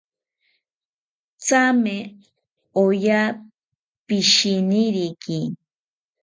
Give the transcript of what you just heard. Thame oya pishiniriki